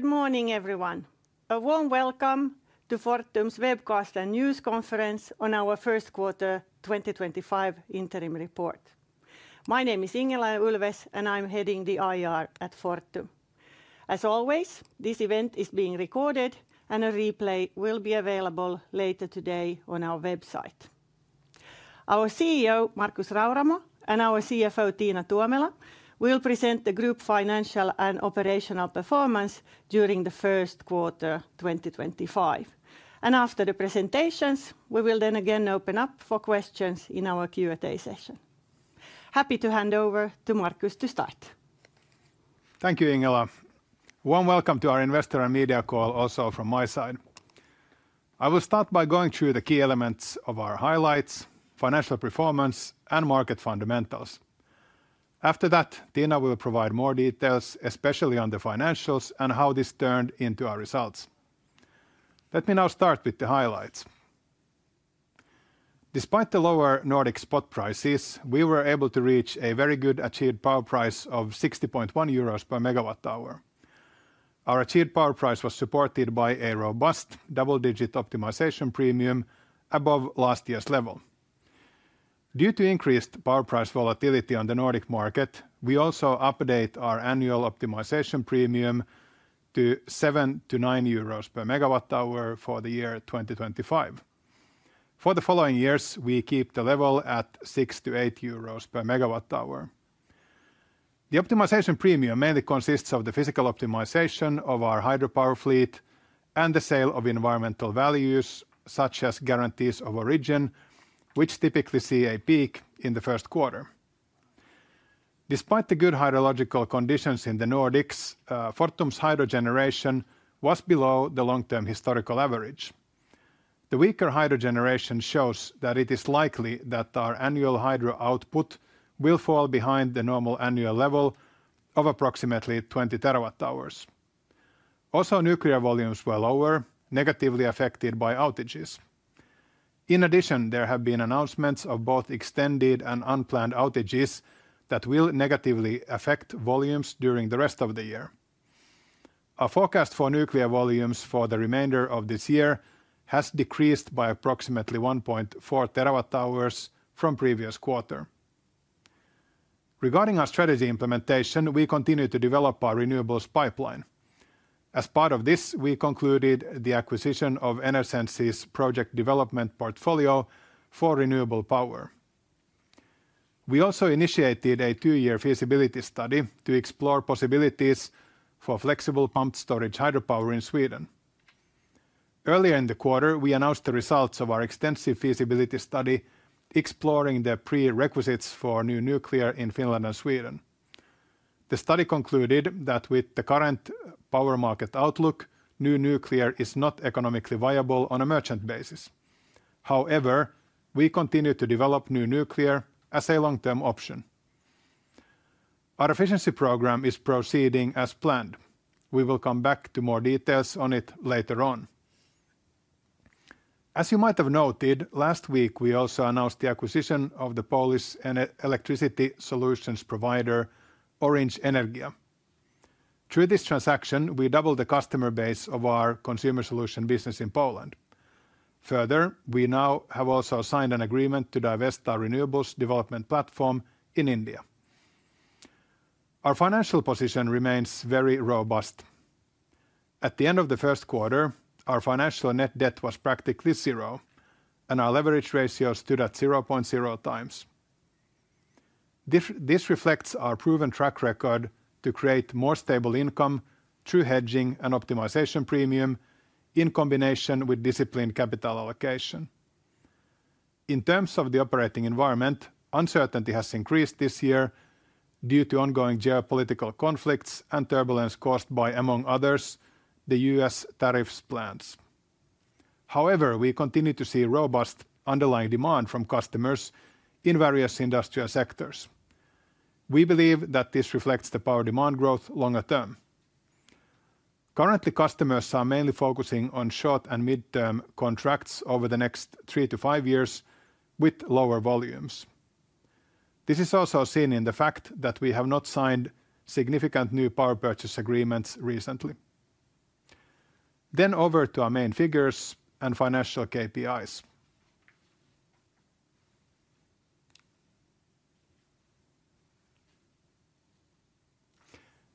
Good morning, everyone. A warm welcome to Fortum's webcast and news conference on our first quarter 2025 interim report. My name is Ingela Ulfves, and I'm heading the IR at Fortum. As always, this event is being recorded, and a replay will be available later today on our website. Our CEO, Markus Rauramo, and our CFO, Tiina Tuomela, will present the group financial and operational performance during the first quarter 2025. After the presentations, we will then again open up for questions in our Q&A session. Happy to hand over to Markus to start. Thank you, Ingela. One welcome to our investor and media call also from my side. I will start by going through the key elements of our highlights, financial performance, and market fundamentals. After that, Tiina will provide more details, especially on the financials and how this turned into our results. Let me now start with the highlights. Despite the lower Nordic spot prices, we were able to reach a very good achieved power price of 60.1 euros per MWh. Our achieved power price was supported by a robust double-digit optimization premium above last year's level. Due to increased power price volatility on the Nordic market, we also update our annual optimization premium to 7-9 euros per MWh for the year 2025. For the following years, we keep the level at 6-8 euros per MWh. The optimization premium mainly consists of the physical optimization of our hydropower fleet and the sale of environmental values such as guarantees of origin, which typically see a peak in the first quarter. Despite the good hydrological conditions in the Nordics, Fortum's hydrogeneration was below the long-term historical average. The weaker hydrogeneration shows that it is likely that our annual hydro output will fall behind the normal annual level of approximately 20 TWh. Also, nuclear volumes were lower, negatively affected by outages. In addition, there have been announcements of both extended and unplanned outages that will negatively affect volumes during the rest of the year. Our forecast for nuclear volumes for the remainder of this year has decreased by approximately 1.4 TWh from previous quarter. Regarding our strategy implementation, we continue to develop our renewables pipeline. As part of this, we concluded the acquisition of Enersense project development portfolio for renewable power. We also initiated a two-year feasibility study to explore possibilities for flexible pumped storage hydropower in Sweden. Earlier in the quarter, we announced the results of our extensive feasibility study exploring the prerequisites for new nuclear in Finland and Sweden. The study concluded that with the current power market outlook, new nuclear is not economically viable on a merchant basis. However, we continue to develop new nuclear as a long-term option. Our efficiency program is proceeding as planned. We will come back to more details on it later on. As you might have noted, last week we also announced the acquisition of the Polish electricity solutions provider Orange Energia. Through this transaction, we doubled the customer base of our consumer solution business in Poland. Further, we now have also signed an agreement to divest our renewables development platform in India. Our financial position remains very robust. At the end of the first quarter, our financial net debt was practically zero, and our leverage ratios stood at 0.0x. This reflects our proven track record to create more stable income through hedging and optimization premium in combination with disciplined capital allocation. In terms of the operating environment, uncertainty has increased this year due to ongoing geopolitical conflicts and turbulence caused by, among others, the U.S. tariff plans. However, we continue to see robust underlying demand from customers in various industrial sectors. We believe that this reflects the power demand growth longer term. Currently, customers are mainly focusing on short and mid-term contracts over the next three to five years with lower volumes. This is also seen in the fact that we have not signed significant new power purchase agreements recently. Over to our main figures and financial KPIs.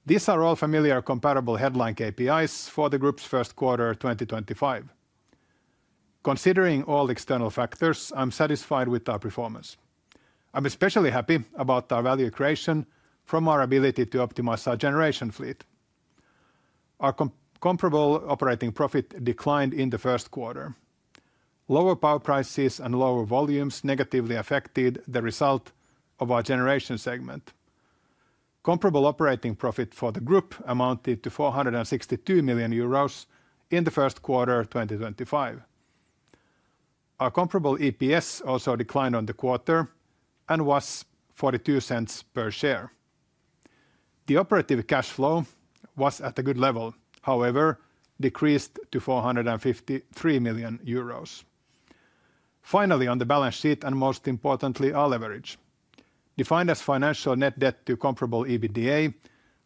These are all familiar comparable headline KPIs for the group's first quarter 2025. Considering all external factors, I'm satisfied with our performance. I'm especially happy about our value creation from our ability to optimize our generation fleet. Our comparable operating profit declined in the first quarter. Lower power prices and lower volumes negatively affected the result of our generation segment. Comparable operating profit for the group amounted to 462 million euros in the first quarter 2025. Our comparable EPS also declined on the quarter and was 0.42 per share. The operative cash flow was at a good level, however, decreased to 453 million euros. Finally, on the balance sheet and most importantly, our leverage. Defined as financial net debt to comparable EBITDA,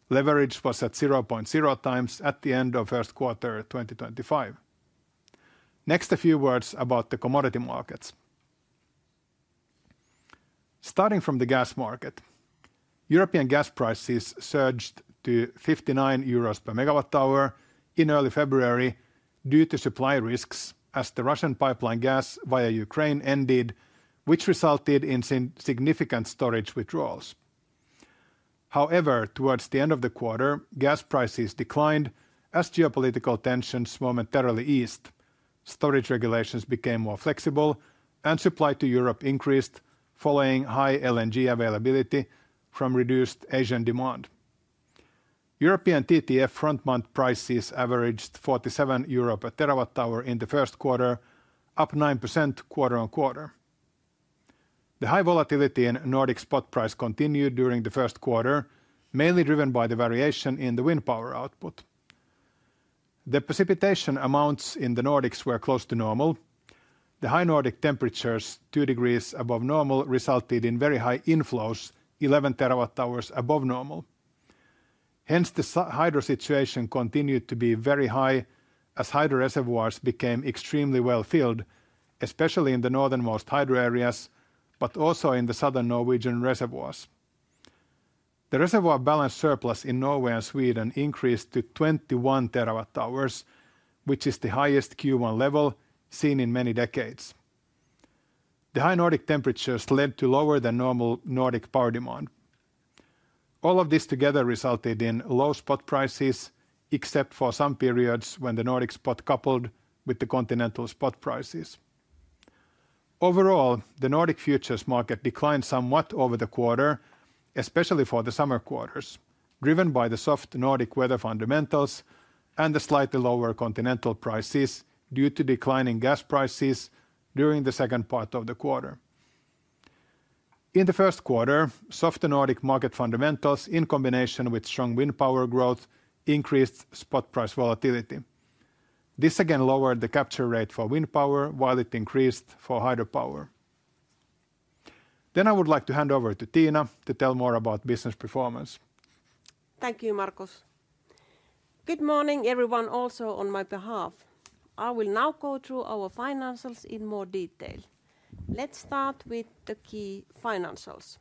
leverage was at 0.0x at the end of first quarter 2025. Next, a few words about the commodity markets. Starting from the gas market, European gas prices surged to 59 euros per MWh in early February due to supply risks as the Russian pipeline gas via Ukraine ended, which resulted in significant storage withdrawals. However, towards the end of the quarter, gas prices declined as geopolitical tensions momentarily eased, storage regulations became more flexible, and supply to Europe increased following high LNG availability from reduced Asian demand. European TTF front-month prices averaged 47 euro per TWh in the first quarter, up 9% quarter on quarter. The high volatility in Nordic spot price continued during the first quarter, mainly driven by the variation in the wind power output. The precipitation amounts in the Nordics were close to normal. The high Nordic temperatures, 2 degrees above normal, resulted in very high inflows, 11 TWh above normal. Hence, the hydro situation continued to be very high as hydro reservoirs became extremely well filled, especially in the northernmost hydro areas, but also in the southern Norwegian reservoirs. The reservoir balance surplus in Norway and Sweden increased to 21 TWh, which is the highest Q1 level seen in many decades. The high Nordic temperatures led to lower than normal Nordic power demand. All of this together resulted in low spot prices, except for some periods when the Nordic spot coupled with the continental spot prices. Overall, the Nordic futures market declined somewhat over the quarter, especially for the summer quarters, driven by the soft Nordic weather fundamentals and the slightly lower continental prices due to declining gas prices during the second part of the quarter. In the first quarter, soft Nordic market fundamentals in combination with strong wind power growth increased spot price volatility. This again lowered the capture rate for wind power while it increased for hydropower. I would like to hand over to Tiina to tell more about business performance. Thank you, Markus. Good morning, everyone, also on my behalf. I will now go through our financials in more detail. Let's start with the key financials.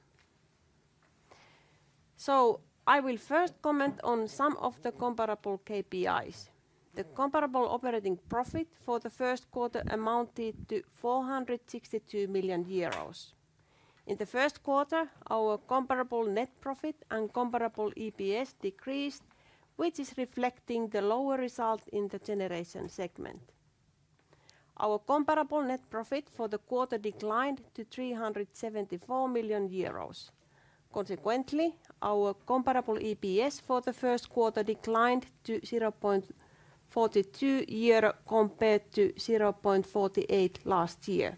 I will first comment on some of the comparable KPIs. The comparable operating profit for the first quarter amounted to 462 million euros. In the first quarter, our comparable net profit and comparable EPS decreased, which is reflecting the lower result in the generation segment. Our comparable net profit for the quarter declined to 374 million euros. Consequently, our comparable EPS for the first quarter declined to 0.42 compared to 0.48 last year.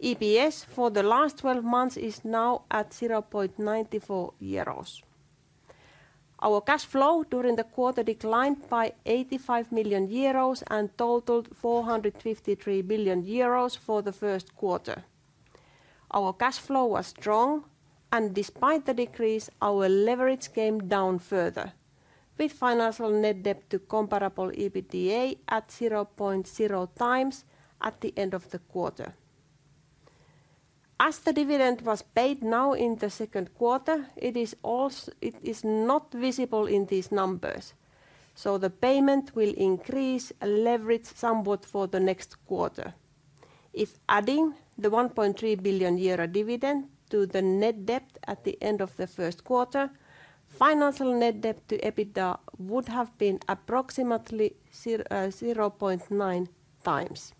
EPS for the last 12 months is now at 0.94 euros. Our cash flow during the quarter declined by 85 million euros and totaled 453 million euros for the first quarter. Our cash flow was strong, and despite the decrease, our leverage came down further, with financial net debt to comparable EBITDA at 0.0x at the end of the quarter. As the dividend was paid now in the second quarter, it is not visible in these numbers, so the payment will increase leverage somewhat for the next quarter. If adding the 1.3 billion euro dividend to the net debt at the end of the first quarter, financial net debt to EBITDA would have been approximately 0.9x.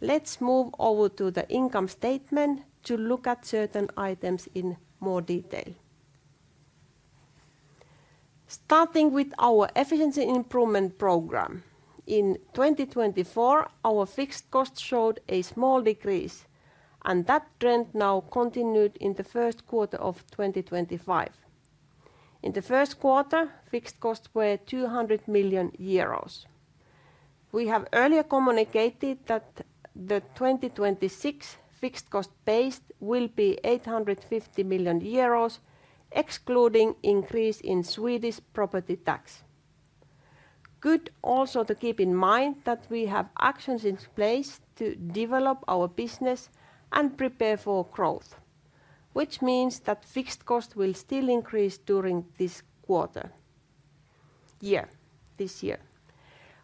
Let's move over to the income statement to look at certain items in more detail. Starting with our efficiency improvement program. In 2024, our fixed costs showed a small decrease, and that trend now continued in the first quarter of 2025. In the first quarter, fixed costs were 200 million euros. We have earlier communicated that the 2026 fixed cost base will be 850 million euros, excluding increase in Swedish property tax. Good also to keep in mind that we have actions in place to develop our business and prepare for growth, which means that fixed costs will still increase during this quarter. Yeah, this year.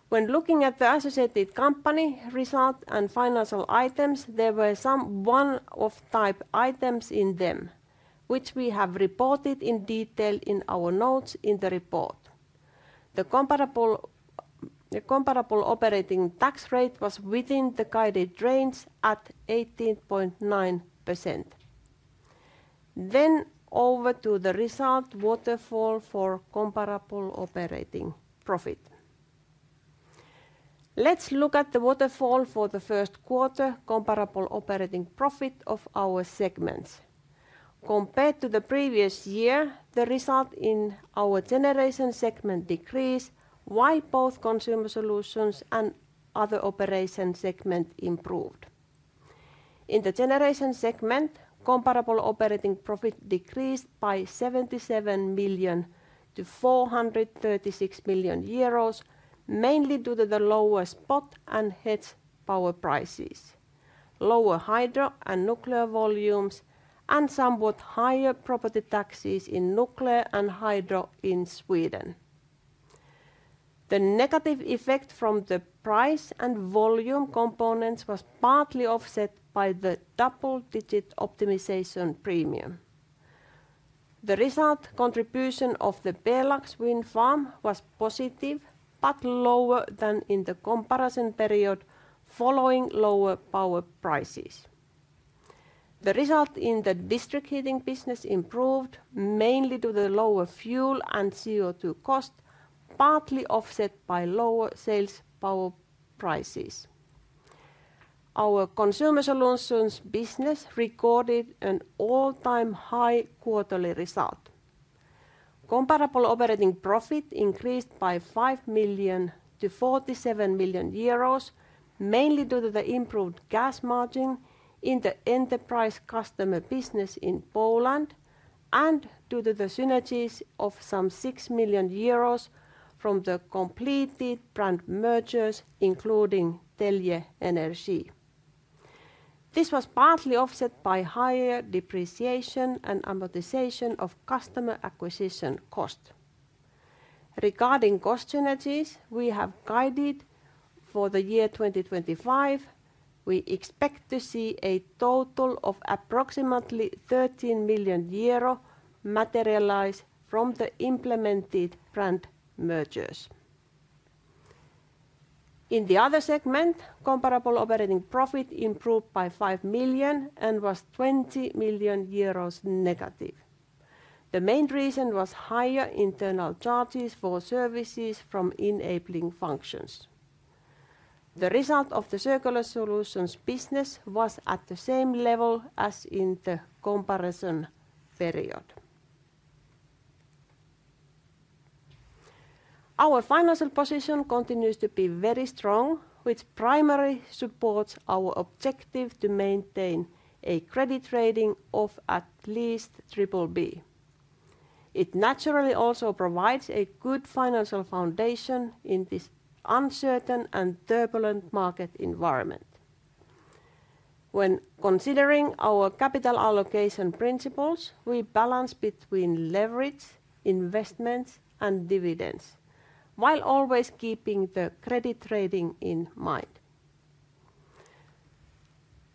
When looking at the associated company result and financial items, there were some one-off type items in them, which we have reported in detail in our notes in the report. The comparable operating tax rate was within the guided range at 18.9%. Over to the result waterfall for comparable operating profit. Let's look at the waterfall for the first quarter comparable operating profit of our segments. Compared to the previous year, the result in our generation segment decreased while both consumer solutions and other operation segment improved. In the generation segment, comparable operating profit decreased by 77 million to 436 million euros, mainly due to the lower spot and hedge power prices, lower hydro and nuclear volumes, and somewhat higher property taxes in nuclear and hydro in Sweden. The negative effect from the price and volume components was partly offset by the double-digit optimization premium. The result contribution of the Pjelax wind farm was positive but lower than in the comparison period following lower power prices. The result in the district heating business improved mainly due to the lower fuel and CO2 cost, partly offset by lower sales power prices. Our consumer solutions business recorded an all-time high quarterly result. Comparable operating profit increased by 5 million to 47 million euros, mainly due to the improved gas margin in the enterprise customer business in Poland and due to the synergies of some 6 million euros from the completed brand mergers, including Telge Energi. This was partly offset by higher depreciation and amortization of customer acquisition cost. Regarding cost synergies, we have guided for the year 2025. We expect to see a total of approximately 13 million euro materialize from the implemented brand mergers. In the other segment, comparable operating profit improved by 5 million and was 20 million euros negative. The main reason was higher internal charges for services from enabling functions. The result of the circular solutions business was at the same level as in the comparison period. Our financial position continues to be very strong, which primarily supports our objective to maintain a credit rating of at least BBB. It naturally also provides a good financial foundation in this uncertain and turbulent market environment. When considering our capital allocation principles, we balance between leverage, investments, and dividends, while always keeping the credit rating in mind.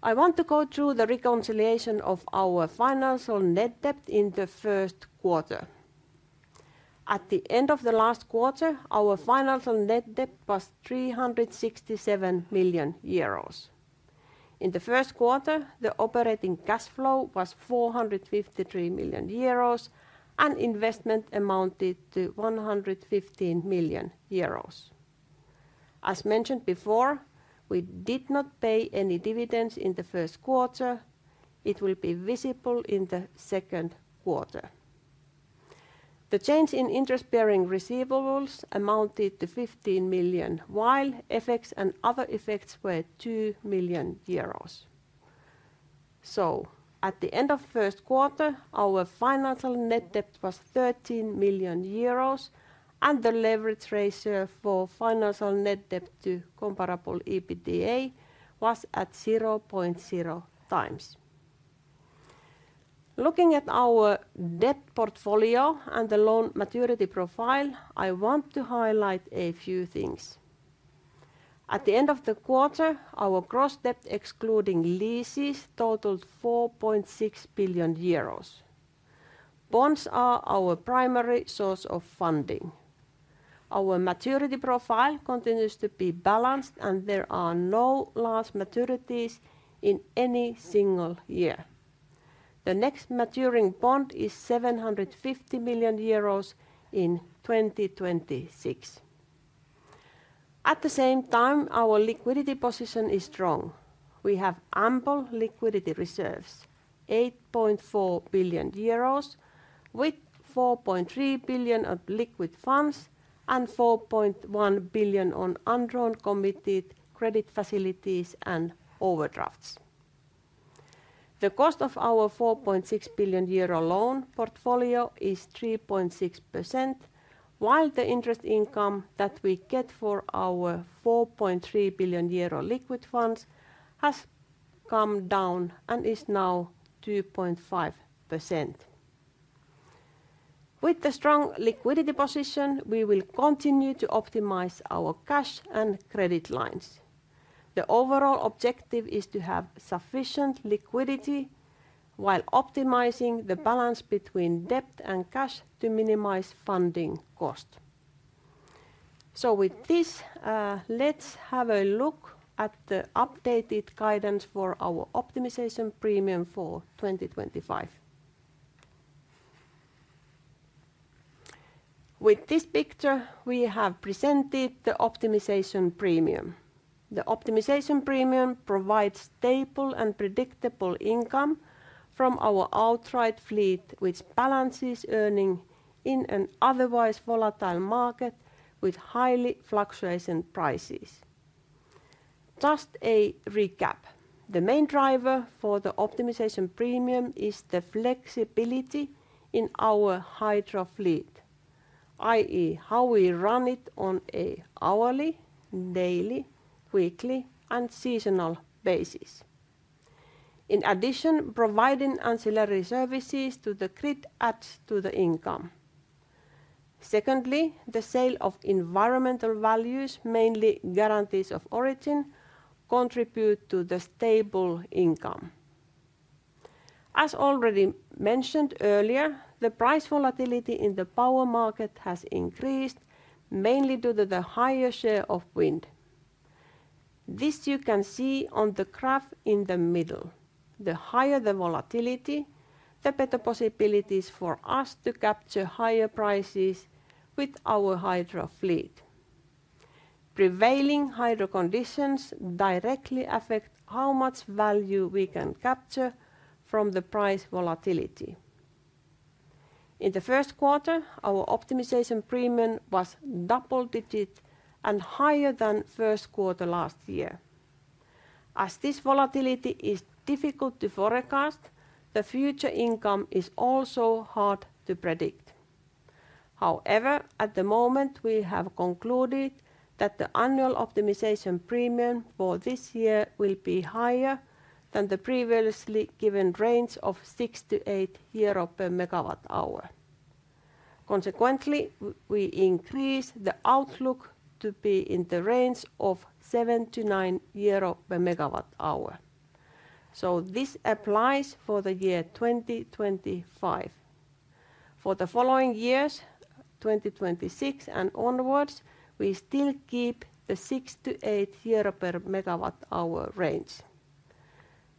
I want to go through the reconciliation of our financial net debt in the first quarter. At the end of the last quarter, our financial net debt was 367 million euros. In the first quarter, the operating cash flow was 453 million euros, and investment amounted to 115 million euros. As mentioned before, we did not pay any dividends in the first quarter. It will be visible in the second quarter. The change in interest-bearing receivables amounted to 15 million, while FX and other effects were 2 million euros. At the end of first quarter, our financial net debt was 13 million euros, and the leverage ratio for financial net debt to comparable EBITDA was at 0.0x. Looking at our debt portfolio and the loan maturity profile, I want to highlight a few things. At the end of the quarter, our gross debt, excluding leases, totaled 4.6 billion euros. Bonds are our primary source of funding. Our maturity profile continues to be balanced, and there are no large maturities in any single year. The next maturing bond is 750 million euros in 2026. At the same time, our liquidity position is strong. We have ample liquidity reserves, 8.4 billion euros, with 4.3 billion of liquid funds and 4.1 billion on undrawn committed credit facilities and overdrafts. The cost of our 4.6 billion euro loan portfolio is 3.6%, while the interest income that we get for our 4.3 billion euro liquid funds has come down and is now 2.5%. With the strong liquidity position, we will continue to optimize our cash and credit lines. The overall objective is to have sufficient liquidity while optimizing the balance between debt and cash to minimize funding cost. With this, let's have a look at the updated guidance for our optimization premium for 2025. With this picture, we have presented the optimization premium. The optimization premium provides stable and predictable income from our outright fleet, which balances earning in an otherwise volatile market with highly fluctuating prices. Just a recap, the main driver for the optimization premium is the flexibility in our hydro fleet, i.e., how we run it on an hourly, daily, weekly, and seasonal basis. In addition, providing ancillary services to the grid adds to the income. Secondly, the sale of environmental values, mainly Guarantees of Origin, contributes to the stable income. As already mentioned earlier, the price volatility in the power market has increased, mainly due to the higher share of wind. This you can see on the graph in the middle. The higher the volatility, the better possibilities for us to capture higher prices with our hydro fleet. Prevailing hydro conditions directly affect how much value we can capture from the price volatility. In the first quarter, our optimization premium was double-digit and higher than first quarter last year. As this volatility is difficult to forecast, the future income is also hard to predict. However, at the moment, we have concluded that the annual optimization premium for this year will be higher than the previously given range of 6-8 euro per MWh. Consequently, we increase the outlook to be in the range of EUR 7-EUR 9 per MWh. This applies for the year 2025. For the following years, 2026 and onwards, we still keep the 6-8 euro per MWh range.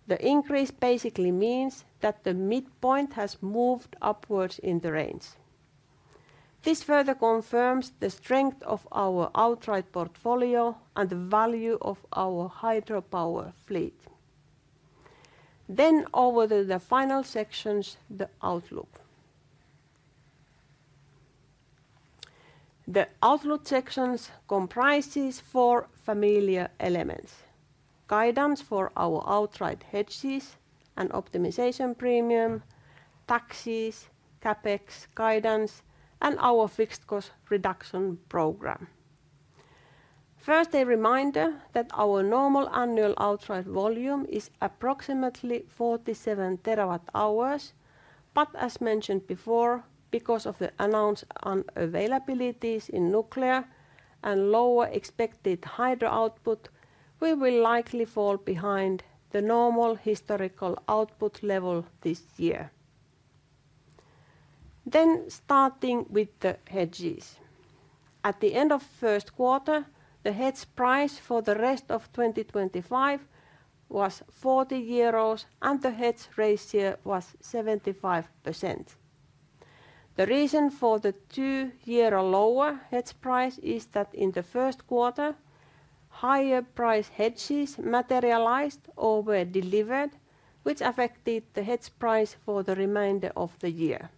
The increase basically means that the midpoint has moved upwards in the range. This further confirms the strength of our outright portfolio and the value of our hydropower fleet. Over to the final sections, the outlook. The outlook sections comprise four familiar elements: guidance for our outright hedges and optimization premium, taxes, CapEx guidance, and our fixed cost reduction program. First, a reminder that our normal annual outright volume is approximately 47 TWh, but as mentioned before, because of the announced unavailabilities in nuclear and lower expected hydro output, we will likely fall behind the normal historical output level this year. Starting with the hedges. At the end of first quarter, the hedge price for the rest of 2025 was 40 euros, and the hedge ratio was 75%. The reason for the two-year lower hedge price is that in the first quarter, higher price hedges materialized over delivered, which affected the hedge price for the remainder of the year.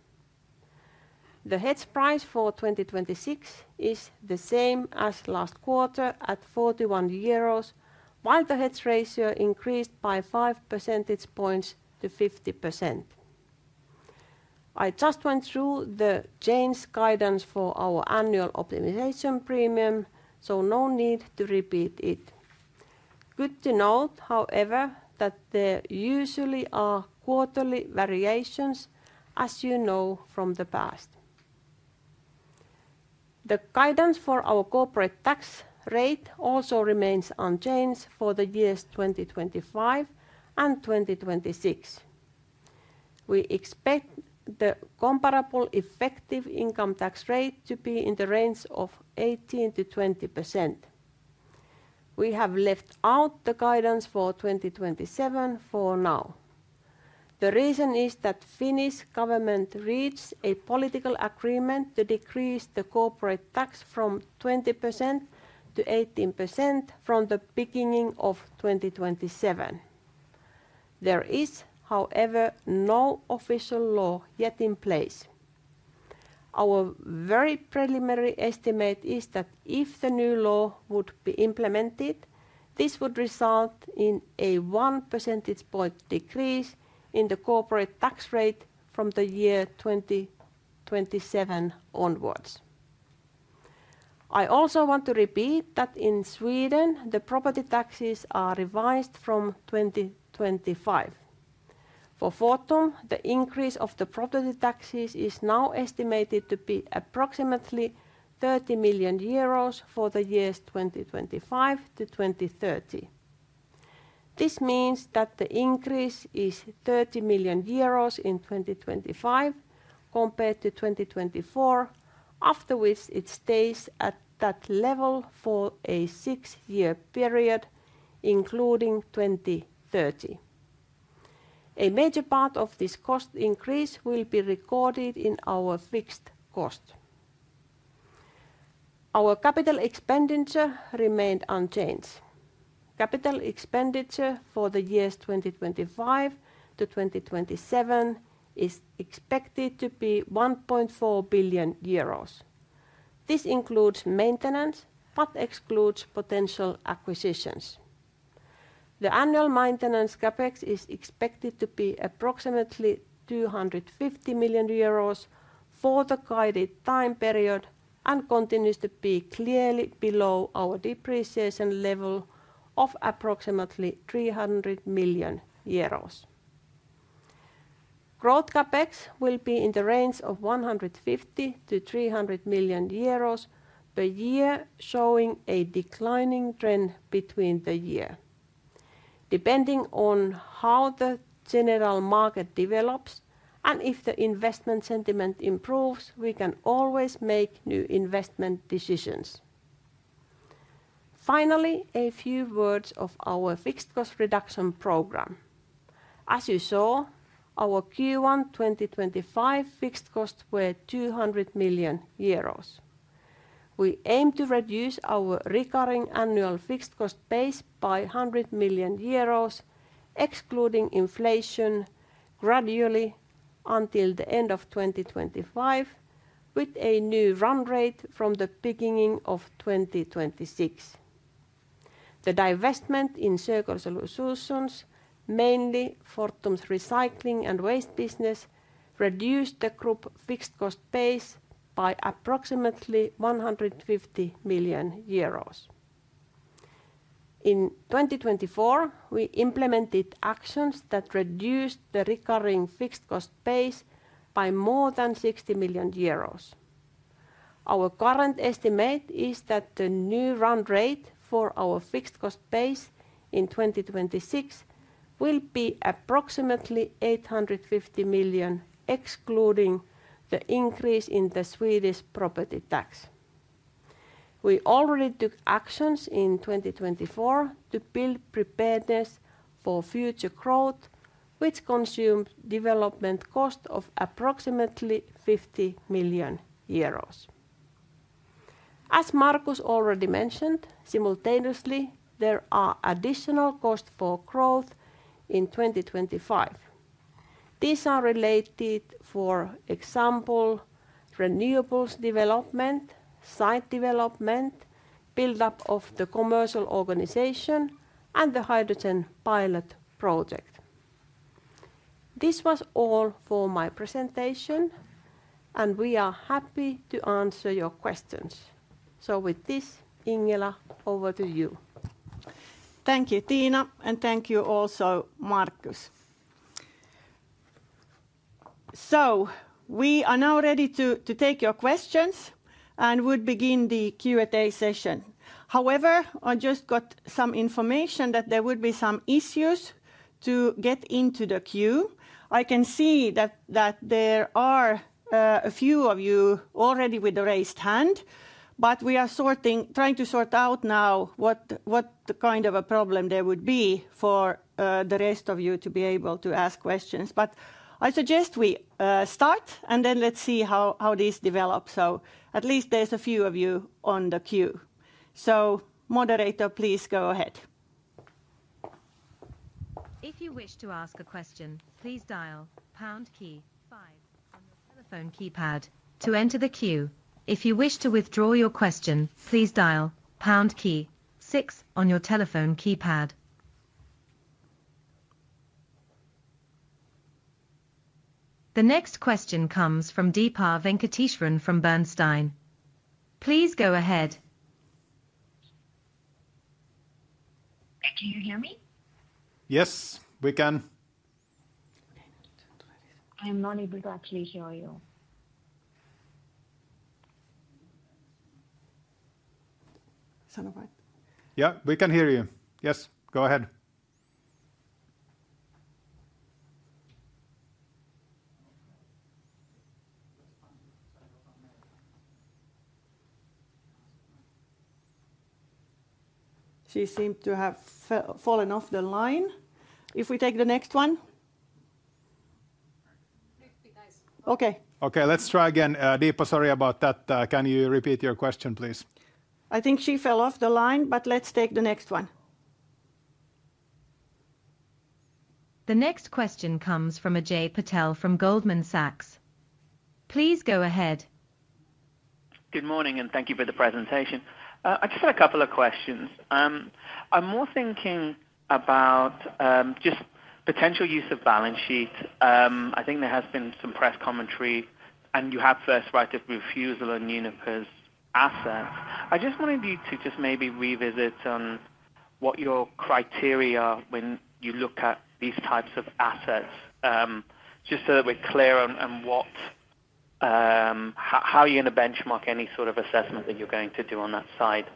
The hedge price for 2026 is the same as last quarter at 41 euros, while the hedge ratio increased by 5 percentage points to 50%. I just went through the change guidance for our annual optimization premium, so no need to repeat it. Good to note, however, that there usually are quarterly variations, as you know from the past. The guidance for our corporate tax rate also remains unchanged for the years 2025 and 2026. We expect the comparable effective income tax rate to be in the range of 18%-20%. We have left out the guidance for 2027 for now. The reason is that the Finnish government reached a political agreement to decrease the corporate tax from 20% to 18% from the beginning of 2027. There is, however, no official law yet in place. Our very preliminary estimate is that if the new law would be implemented, this would result in a 1 percentage point decrease in the corporate tax rate from the year 2027 onwards. I also want to repeat that in Sweden, the property taxes are revised from 2025. For Fortum, the increase of the property taxes is now estimated to be approximately 30 million euros for the years 2025 to 2030. This means that the increase is 30 million euros in 2025 compared to 2024, after which it stays at that level for a six-year period, including 2030. A major part of this cost increase will be recorded in our fixed cost. Our capital expenditure remained unchanged. Capital expenditure for the years 2025 to 2027 is expected to be 1.4 billion euros. This includes maintenance but excludes potential acquisitions. The annual maintenance CapEx is expected to be approximately 250 million euros for the guided time period and continues to be clearly below our depreciation level of approximately 300 million euros. Growth CapEx will be in the range of 150 million-300 million euros per year, showing a declining trend between the years. Depending on how the general market develops and if the investment sentiment improves, we can always make new investment decisions. Finally, a few words of our fixed cost reduction program. As you saw, our Q1 2025 fixed costs were 200 million euros. We aim to reduce our recurring annual fixed cost base by 100 million euros, excluding inflation, gradually until the end of 2025, with a new run rate from the beginning of 2026. The divestment in circular solutions, mainly Fortum's recycling and waste business, reduced the group fixed cost base by approximately EUR 150 million. In 2024, we implemented actions that reduced the recurring fixed cost base by more than 60 million euros. Our current estimate is that the new run rate for our fixed cost base in 2026 will be approximately 850 million, excluding the increase in the Swedish property tax. We already took actions in 2024 to build preparedness for future growth, which consumes development cost of approximately 50 million euros. As Markus already mentioned, simultaneously, there are additional costs for growth in 2025. These are related, for example, renewables development, site development, build-up of the commercial organization, and the hydrogen pilot project. This was all for my presentation, and we are happy to answer your questions. With this, Ingela, over to you. Thank you, Tiina, and thank you also, Markus. We are now ready to take your questions and would begin the Q&A session. However, I just got some information that there would be some issues to get into the queue. I can see that there are a few of you already with a raised hand, but we are trying to sort out now what the kind of a problem there would be for the rest of you to be able to ask questions. I suggest we start, and then let's see how this develops. At least there's a few of you on the queue. Moderator, please go ahead. If you wish to ask a question, please dial pound key five on the telephone keypad to enter the queue. If you wish to withdraw your question, please dial pound key six on your telephone keypad. The next question comes from Deepa Venkateswaran from Bernstein. Please go ahead. Can you hear me? Yes, we can. I'm not able to actually hear you. Yeah, we can hear you. Yes, go ahead. She seemed to have fallen off the line. If we take the next one. Okay. Okay, let's try again. Deepa, sorry about that. Can you repeat your question, please? I think she fell off the line, but let's take the next one. The next question comes from Ajay Patel from Goldman Sachs. Please go ahead. Good morning, and thank you for the presentation. I just had a couple of questions. I'm more thinking about just potential use of balance sheet. I think there has been some press commentary, and you have first right of refusal on Uniper's assets. I just wanted you to just maybe revisit on what your criteria are when you look at these types of assets, just so that we're clear on how you're going to benchmark any sort of assessment that you're going to do on that side.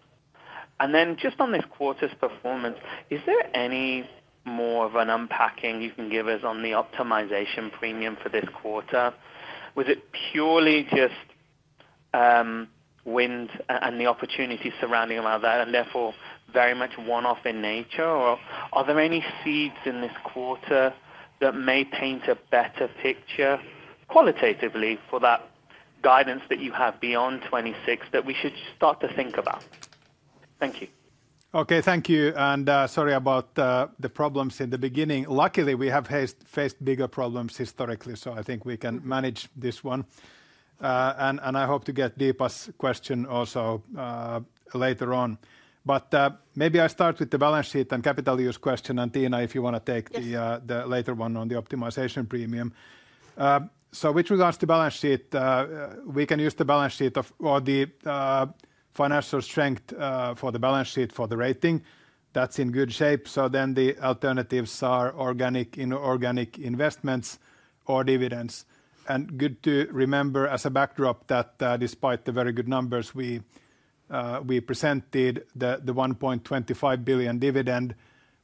Then just on this quarter's performance, is there any more of an unpacking you can give us on the optimization premium for this quarter? Was it purely just wind and the opportunity surrounding that, and therefore very much one-off in nature? Or are there any seeds in this quarter that may paint a better picture qualitatively for that guidance that you have beyond 2026 that we should start to think about? Thank you. Okay, thank you. Sorry about the problems in the beginning. Luckily, we have faced bigger problems historically, so I think we can manage this one. I hope to get Deepa's question also later on. Maybe I start with the balance sheet and capital use question, and Tiina, if you want to take the later one on the optimization premium. With regards to balance sheet, we can use the balance sheet of the financial strength for the balance sheet for the rating. That is in good shape. The alternatives are organic, inorganic investments, or dividends. Good to remember as a backdrop that despite the very good numbers we presented, the 1.25 billion dividend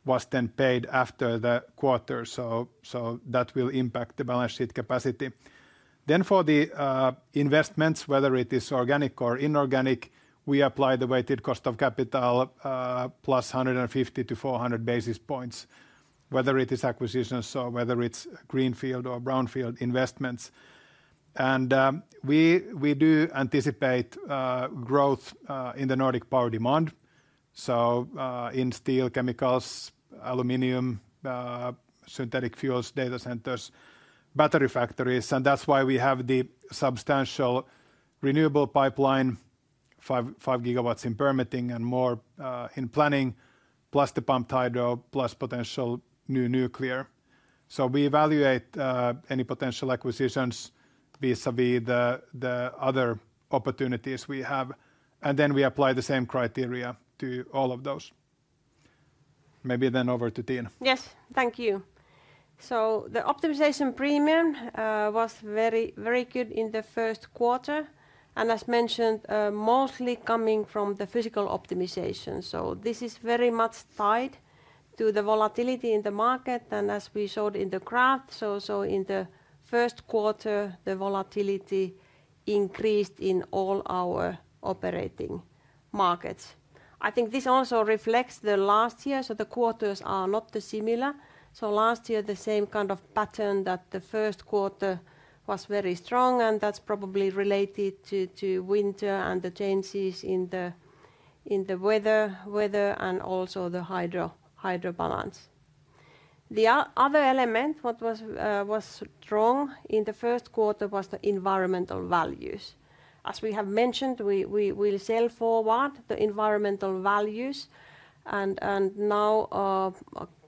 was then paid after the quarter. That will impact the balance sheet capacity. For the investments, whether it is organic or inorganic, we apply the weighted cost of capital plus 150-400 basis points, whether it is acquisitions, so whether it is greenfield or brownfield investments. We do anticipate growth in the Nordic power demand, in steel, chemicals, aluminium, synthetic fuels, data centers, battery factories. That is why we have the substantial renewables pipeline, 5 GW in permitting and more in planning, plus the pumped storage hydropower, plus potential new nuclear. We evaluate any potential acquisitions vis-à-vis the other opportunities we have. We apply the same criteria to all of those. Maybe then over to Tiina. Yes, thank you. The optimization premium was very, very good in the first quarter, and as mentioned, mostly coming from the physical optimization. This is very much tied to the volatility in the market, and as we showed in the graph, in the first quarter, the volatility increased in all our operating markets. I think this also reflects the last year, so the quarters are not dissimilar. Last year, the same kind of pattern that the first quarter was very strong, and that's probably related to winter and the changes in the weather and also the hydro balance. The other element that was strong in the first quarter was the environmental values. As we have mentioned, we will sell forward the environmental values, and now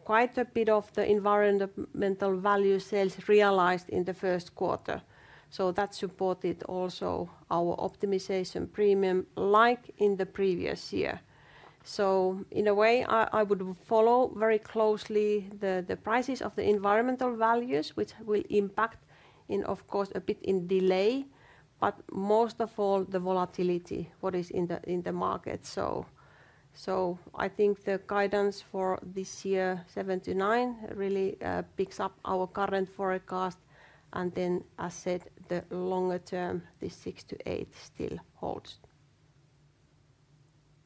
quite a bit of the environmental value sales realized in the first quarter. That supported also our optimization premium like in the previous year. In a way, I would follow very closely the prices of the environmental values, which will impact in, of course, a bit in delay, but most of all the volatility, what is in the market. I think the guidance for this year, 7-9, really picks up our current forecast, and then, as said, the longer term, the 6-8 still holds.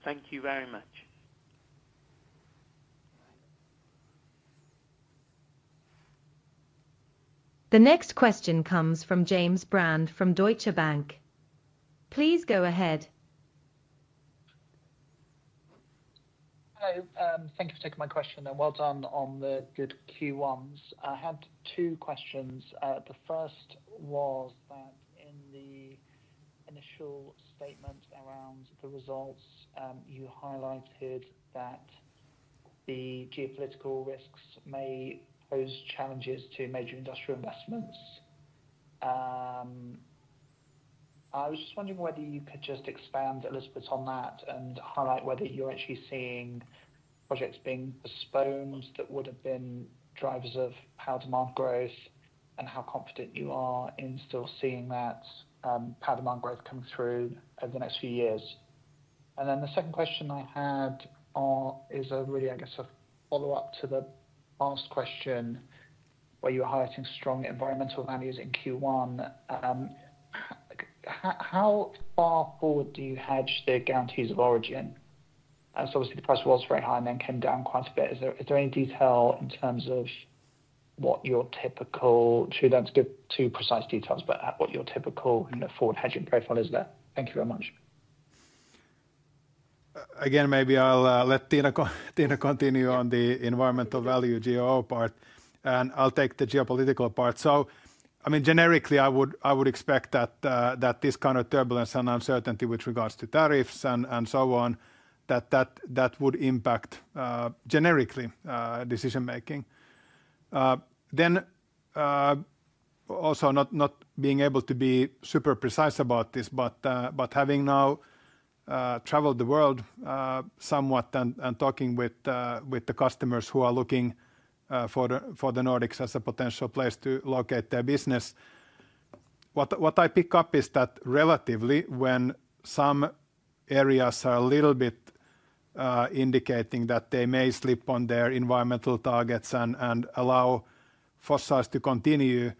Thank you very much. The next question comes from James Brand from Deutsche Bank. Please go ahead. Hello, thank you for taking my question, and well done on the good Q1s. I had two questions. The first was that in the initial statement around the results, you highlighted that the geopolitical risks may pose challenges to major industrial investments. I was just wondering whether you could just expand, a little bit, on that and highlight whether you're actually seeing projects being postponed that would have been drivers of power demand growth and how confident you are in still seeing that power demand growth come through over the next few years. The second question I had is a really, I guess, a follow-up to the last question where you were highlighting strong environmental values in Q1. How far forward do you hedge the guarantees of origin? Obviously, the price was very high and then came down quite a bit. Is there any detail in terms of what your typical—shouldn't give too precise details—but what your typical forward hedging profile is there? Thank you very much. Again, maybe I'll let Tiina continue on the environmental value GOO part, and I'll take the geopolitical part. I mean, generically, I would expect that this kind of turbulence and uncertainty with regards to tariffs and so on, that would impact generically decision-making. Also, not being able to be super precise about this, but having now traveled the world somewhat and talking with the customers who are looking for the Nordics as a potential place to locate their business, what I pick up is that relatively when some areas are a little bit indicating that they may slip on their environmental targets and allow fossils to continue,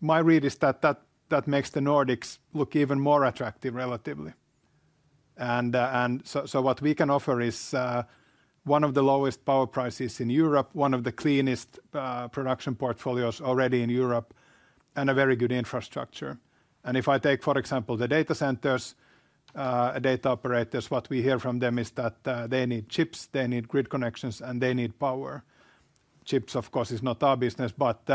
my read is that that makes the Nordics look even more attractive relatively. What we can offer is one of the lowest power prices in Europe, one of the cleanest production portfolios already in Europe, and a very good infrastructure. If I take, for example, the data centers and data operators, what we hear from them is that they need chips, they need grid connections, and they need power. Chips, of course, is not our business, but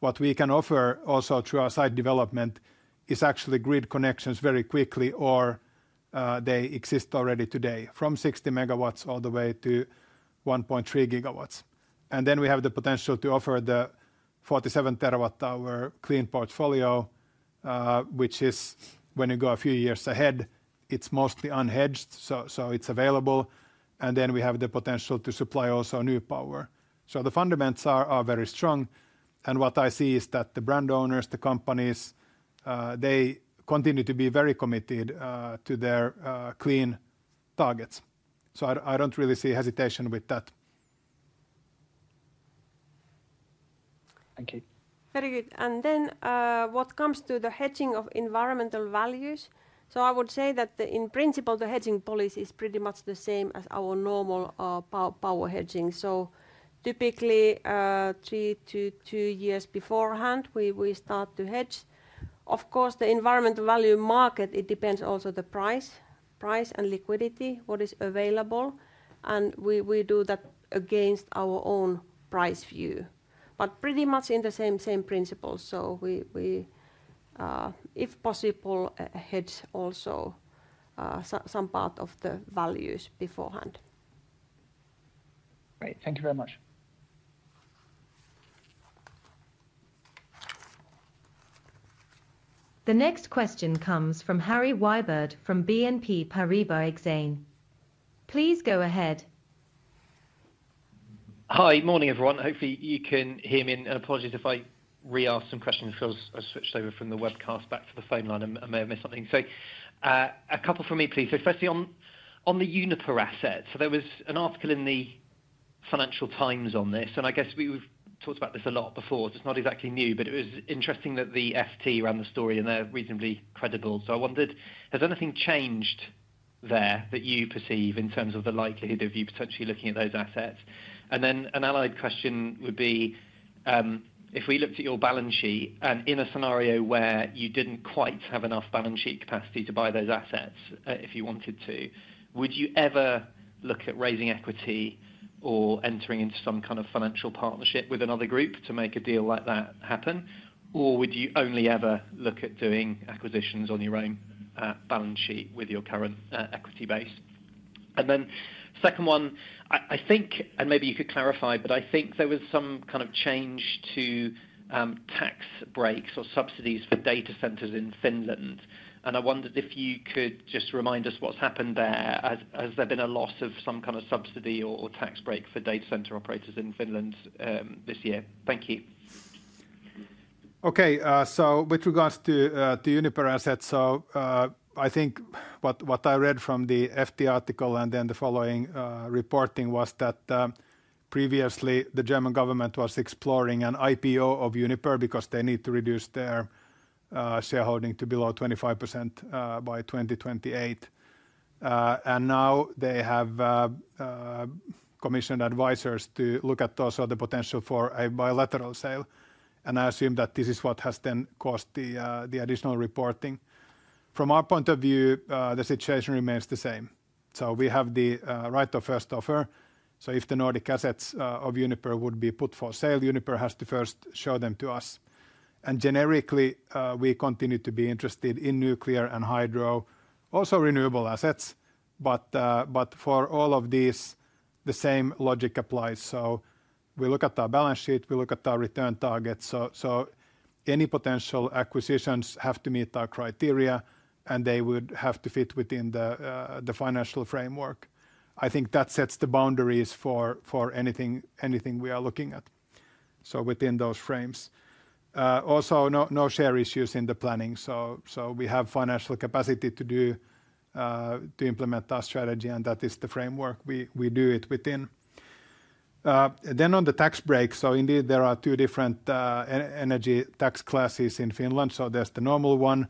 what we can offer also through our site development is actually grid connections very quickly, or they exist already today from 60 MW all the way to 1.3 GW. We have the potential to offer the 47 TWh clean portfolio, which is, when you go a few years ahead, mostly unhedged, so it is available. We have the potential to supply also new power. The fundamentals are very strong. What I see is that the brand owners, the companies, they continue to be very committed to their clean targets. I do not really see hesitation with that. Thank you. Very good. What comes to the hedging of environmental values, I would say that in principle, the hedging policy is pretty much the same as our normal power hedging. Typically, three to two years beforehand, we start to hedge. Of course, the environmental value market depends also on the price and liquidity, what is available, and we do that against our own price view. Pretty much in the same principle. If possible, hedge also some part of the values beforehand. Great. Thank you very much. The next question comes from Harry Wyburd from BNP Paribas Exane. Please go ahead. Hi, morning everyone. Hopefully, you can hear me. Apologies if I re-ask some questions because I switched over from the webcast back to the phone line and may have missed something. A couple for me, please. Firstly, on the Uniper assets, there was an article in the Financial Times on this, and I guess we have talked about this a lot before, just not exactly new, but it was interesting that the FT ran the story, and they are reasonably credible. I wondered, has anything changed there that you perceive in terms of the likelihood of you potentially looking at those assets? An allied question would be, if we looked at your balance sheet and in a scenario where you did not quite have enough balance sheet capacity to buy those assets if you wanted to, would you ever look at raising equity or entering into some kind of financial partnership with another group to make a deal like that happen? Would you only ever look at doing acquisitions on your own balance sheet with your current equity base? The second one, I think, and maybe you could clarify, but I think there was some kind of change to tax breaks or subsidies for data centers in Finland. I wondered if you could just remind us what has happened there, has there been a loss of some kind of subsidy or tax break for data center operators in Finland this year? Thank you. Okay, with regards to the Uniper assets, I think what I read from the FT article and then the following reporting was that previously the German government was exploring an IPO of Uniper because they need to reduce their shareholding to below 25% by 2028. Now they have commissioned advisors to look at those or the potential for a bilateral sale. I assume that this is what has then caused the additional reporting. From our point of view, the situation remains the same. We have the right of first offer. If the Nordic assets of Uniper would be put for sale, Uniper has to first show them to us. Generically, we continue to be interested in nuclear and hydro, also renewable assets. For all of these, the same logic applies. We look at our balance sheet, we look at our return targets. Any potential acquisitions have to meet our criteria, and they would have to fit within the financial framework. I think that sets the boundaries for anything we are looking at. Within those frames, also, no share issues in the planning. We have financial capacity to implement our strategy, and that is the framework we do it within. On the tax break, indeed there are two different energy tax classes in Finland. There is the normal one,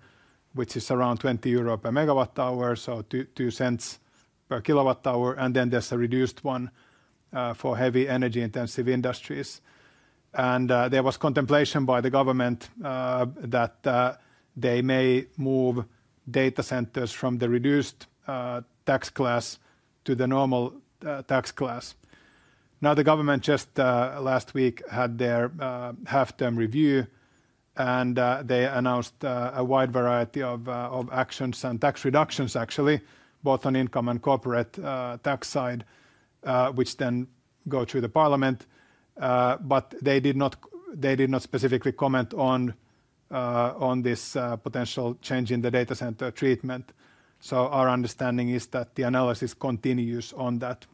which is around 20 euro per MWh, so two cents per kWh. There is a reduced one for heavy energy-intensive industries. There was contemplation by the government that they may move data centers from the reduced tax class to the normal tax class. Now the government just last week had their half-term review, and they announced a wide variety of actions and tax reductions, actually, both on income and corporate tax side, which then go through the parliament. They did not specifically comment on this potential change in the data center treatment. Our understanding is that the analysis continues on that.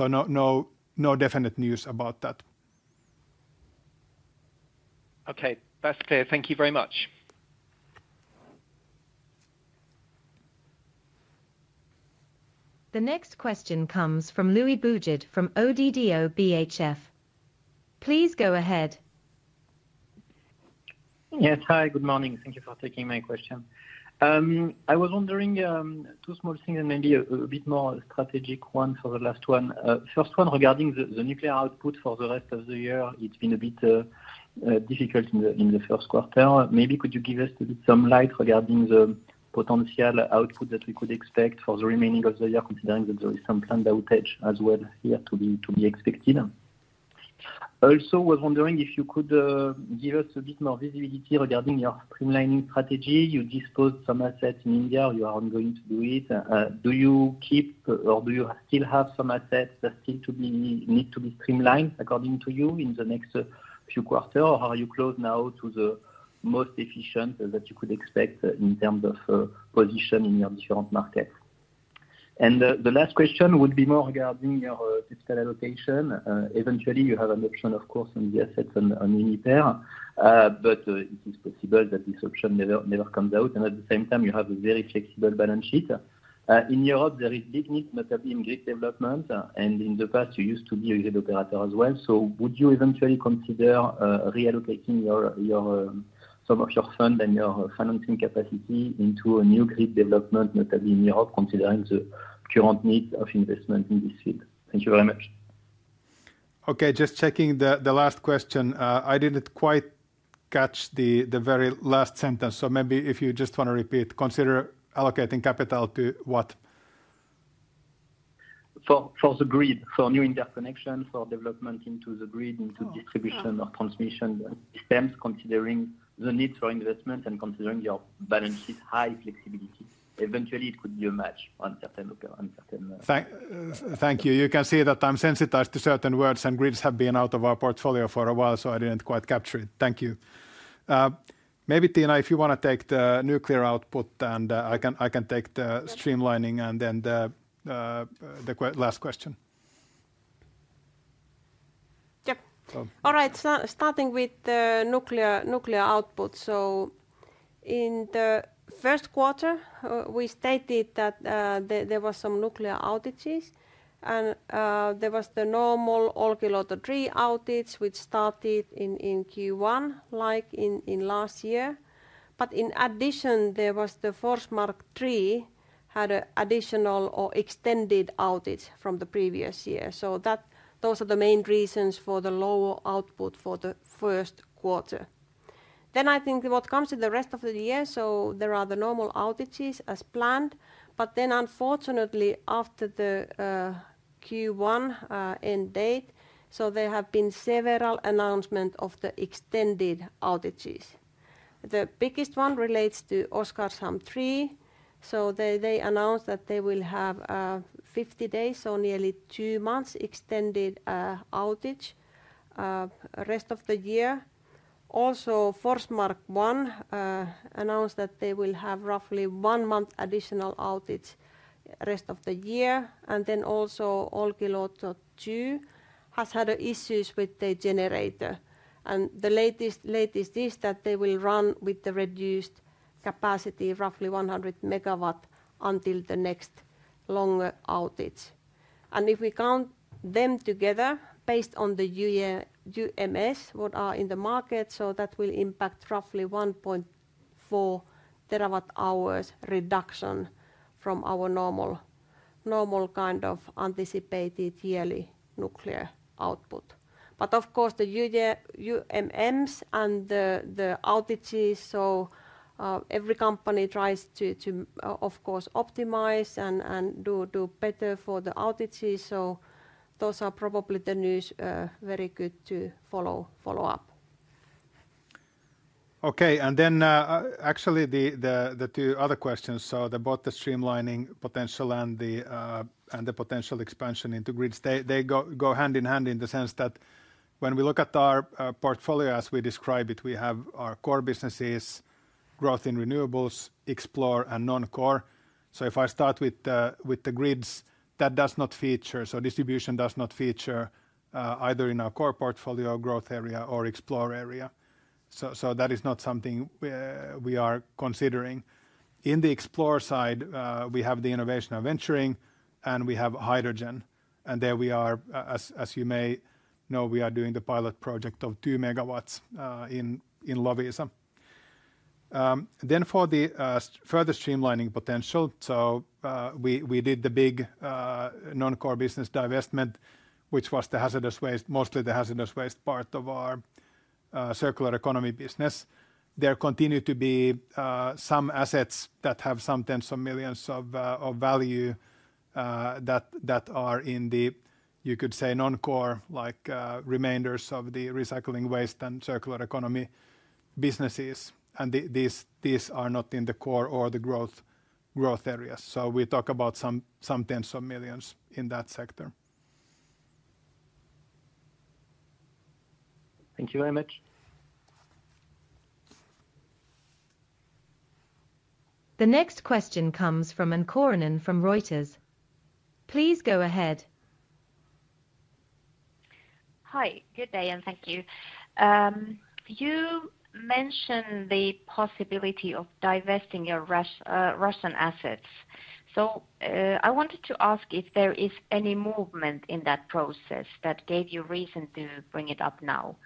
No definite news about that. Okay, that's clear. Thank you very much. The next question comes from Louis Boujard from ODDO BHF. Please go ahead. Yes, hi, good morning. Thank you for taking my question. I was wondering two small things and maybe a bit more strategic one for the last one. First one, regarding the nuclear output for the rest of the year, it's been a bit difficult in the first quarter. Maybe could you give us some light regarding the potential output that we could expect for the remaining of the year, considering that there is some planned outage as well here to be expected. Also, I was wondering if you could give us a bit more visibility regarding your streamlining strategy. You disposed of some assets in India. You are ongoing to do it. Do you keep or do you still have some assets that still need to be streamlined, according to you, in the next few quarters, or are you close now to the most efficient that you could expect in terms of position in your different markets? The last question would be more regarding your fiscal allocation. Eventually, you have an option, of course, on the assets on Uniper, but it is possible that this option never comes out. At the same time, you have a very flexible balance sheet. In Europe, there is big need, notably in grid development, and in the past, you used to be a grid operator as well. Would you eventually consider reallocating some of your fund and your financing capacity into a new grid development, notably in Europe, considering the current needs of investment in this field? Thank you very much. Okay, just checking the last question. I did not quite catch the very last sentence. Maybe if you just want to repeat, consider allocating capital to what? For the grid, for new interconnection, for development into the grid, into distribution or transmission systems, considering the need for investment and considering your balance sheet's high flexibility. Eventually, it could be a match for uncertain operators. Thank you. You can see that I'm sensitized to certain words, and grids have been out of our portfolio for a while, so I didn't quite capture it. Thank you. Maybe Tiina, if you want to take the nuclear output, and I can take the streamlining and then the last question. Yeah. All right, starting with the nuclear output. In the first quarter, we stated that there were some nuclear outages, and there was the normal Olkiluoto 3 outage, which started in Q1, like in last year. In addition, there was the Forsmark 3, which had an additional or extended outage from the previous year. Those are the main reasons for the lower output for the first quarter. I think what comes in the rest of the year, there are the normal outages as planned, but unfortunately, after the Q1 end date, there have been several announcements of the extended outages. The biggest one relates to Oskarshamn 3. They announced that they will have 50 days, so nearly two months extended outage the rest of the year. Also, Forsmark 1 announced that they will have roughly one month additional outage the rest of the year. Olkiluoto 2 has had issues with their generator. The latest is that they will run with the reduced capacity, roughly 100 MW, until the next longer outage. If we count them together, based on the UMS, what are in the market, that will impact roughly 1.4 TWh reduction from our normal kind of anticipated yearly nuclear output. Of course, the UMMs and the outages, every company tries to, of course, optimize and do better for the outages. Those are probably the news very good to follow up. Okay, actually the two other questions, both the streamlining potential and the potential expansion into grids, they go hand in hand in the sense that when we look at our portfolio, as we describe it, we have our core businesses, growth in renewables, explore, and non-core. If I start with the grids, that does not feature, distribution does not feature either in our core portfolio growth area or explore area. That is not something we are considering. In the explore side, we have the innovation of venturing, and we have hydrogen. There we are, as you may know, we are doing the pilot project of 2 MW in Loviisa. For the further streamlining potential, we did the big non-core business divestment, which was the hazardous waste, mostly the hazardous waste part of our circular economy business. There continue to be some assets that have sometimes some millions of value that are in the, you could say, non-core, like remainders of the recycling waste and circular economy businesses. These are not in the core or the growth areas. We talk about sometimes some millions in that sector. Thank you very much. The next question comes from Anne Kauranen from Reuters. Please go ahead. Hi, good day, and thank you. You mentioned the possibility of divesting your Russian assets. I wanted to ask if there is any movement in that process that gave you reason to bring it up now.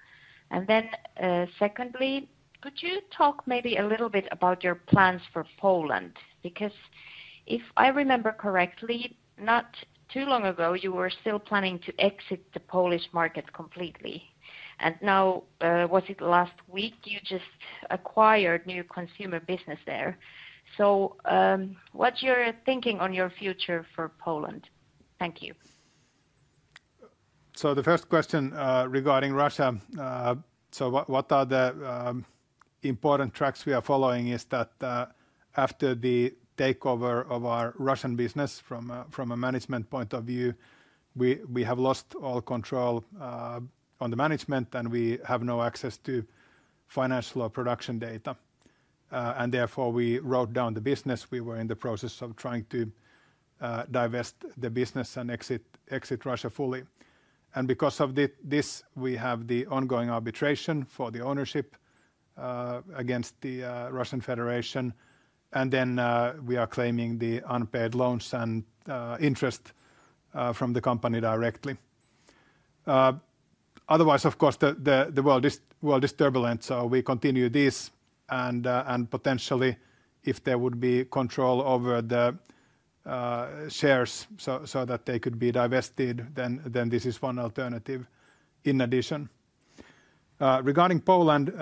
Secondly, could you talk maybe a little bit about your plans for Poland? Because if I remember correctly, not too long ago, you were still planning to exit the Polish market completely. Was it last week you just acquired new consumer business there? What's your thinking on your future for Poland? Thank you. The first question regarding Russia, one of the important tracks we are following is that after the takeover of our Russian business from a management point of view, we have lost all control on the management, and we have no access to financial or production data. Therefore, we wrote down the business. We were in the process of trying to divest the business and exit Russia fully. Because of this, we have the ongoing arbitration for the ownership against the Russian Federation. We are claiming the unpaid loans and interest from the company directly. Otherwise, of course, the world is turbulent, so we continue this. Potentially, if there would be control over the shares so that they could be divested, then this is one alternative in addition. Regarding Poland,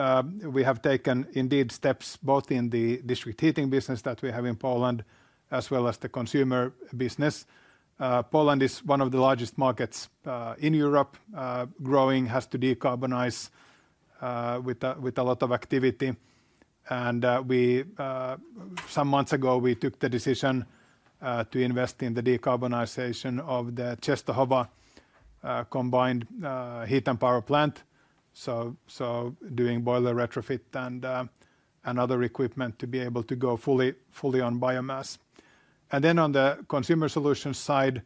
we have taken indeed steps both in the district heating business that we have in Poland as well as the consumer business. Poland is one of the largest markets in Europe, growing, has to decarbonize with a lot of activity. Some months ago, we took the decision to invest in the decarbonization of the Częstochowa combined heat and power plant, doing boiler retrofit and other equipment to be able to go fully on biomass. On the consumer solutions side,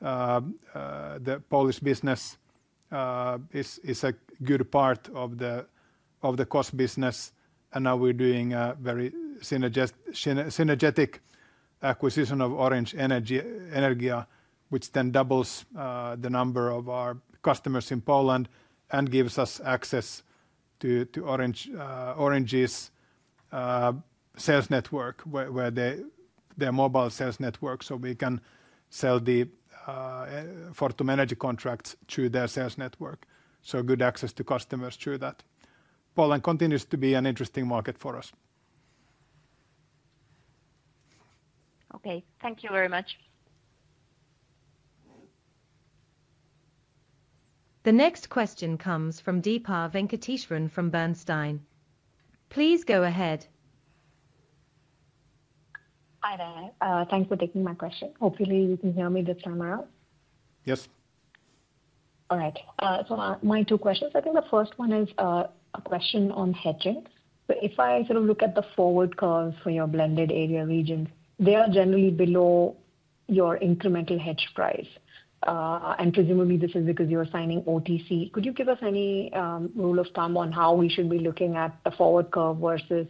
the Polish business is a good part of the cost business. We are doing a very synergetic acquisition of Orange Energia, which then doubles the number of our customers in Poland and gives us access to Orange's sales network, their mobile sales network, so we can sell the Fortum Energy contract through their sales network. Good access to customers through that. Poland continues to be an interesting market for us. Okay, thank you very much. The next question comes from Deepa Venkateswaran from Bernstein. Please go ahead. Hi there. Thanks for taking my question. Hopefully, you can hear me this time around. Yes. All right. My two questions. I think the first one is a question on hedging. If I sort of look at the forward curve for your blended area region, they are generally below your incremental hedge price. Presumably, this is because you are signing OTC. Could you give us any rule of thumb on how we should be looking at the forward curve versus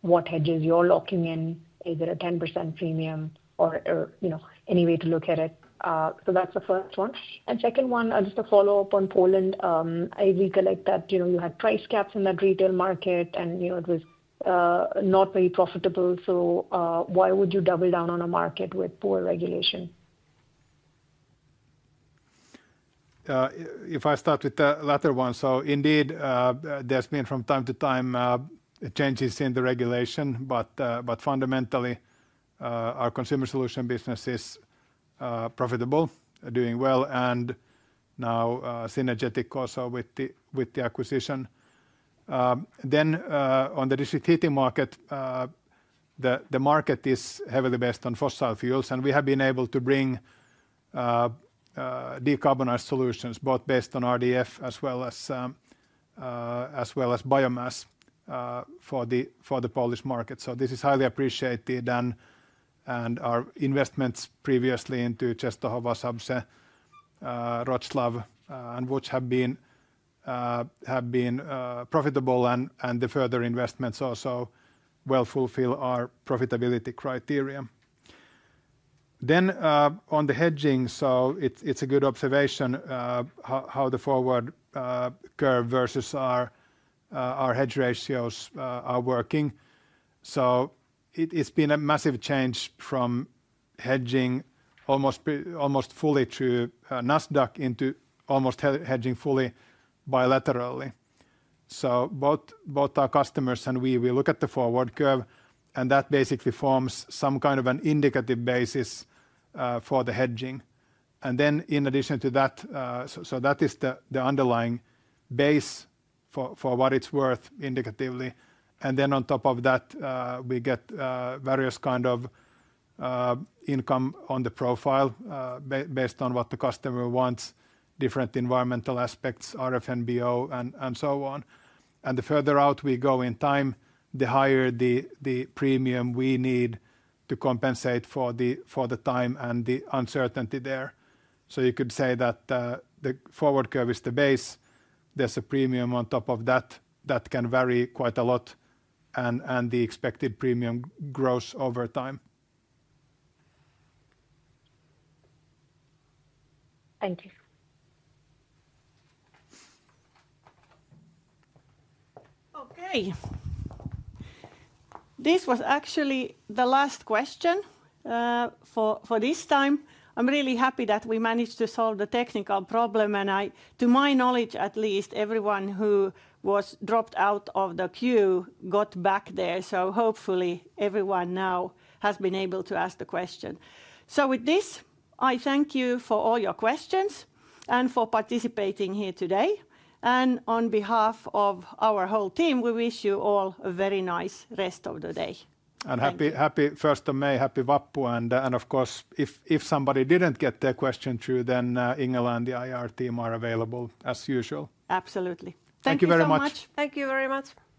what hedges you're locking in? Is it a 10% premium or any way to look at it? That is the first one. The second one, just a follow-up on Poland. I recollect that you had price caps in that retail market, and it was not very profitable. Why would you double down on a market with poor regulation? If I start with the latter one, indeed, there have been from time to time changes in the regulation, but fundamentally, our consumer solutions business is profitable, doing well, and now synergetic also with the acquisition. On the district heating market, the market is heavily based on fossil fuels, and we have been able to bring decarbonized solutions, both based on RDF as well as biomass for the Polish market. This is highly appreciated, and our investments previously into Częstochowa, Zabrze, Wrocław, and Łódź have been profitable, and the further investments also well fulfill our profitability criteria. On the hedging, it is a good observation how the forward curve versus our hedge ratios are working. It has been a massive change from hedging almost fully to Nasdaq into almost hedging fully bilaterally. Both our customers and we look at the forward curve, and that basically forms some kind of an indicative basis for the hedging. In addition to that, that is the underlying base for what it is worth indicatively. On top of that, we get various kinds of income on the profile based on what the customer wants, different environmental aspects, RFNBO, and so on. The further out we go in time, the higher the premium we need to compensate for the time and the uncertainty there. You could say that the forward curve is the base. There is a premium on top of that that can vary quite a lot, and the expected premium grows over time. Thank you. Okay. This was actually the last question for this time. I am really happy that we managed to solve the technical problem. To my knowledge, at least, everyone who was dropped out of the queue got back there. Hopefully, everyone now has been able to ask the question. With this, I thank you for all your questions and for participating here today. On behalf of our whole team, we wish you all a very nice rest of the day. Happy 1st of May, happy Vappua. Of course, if somebody did not get their question through, then Ingela and the IR team are available as usual. Absolutely. Thank you very much. Thank you very much.